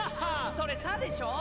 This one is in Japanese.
それ「サ」でしょ！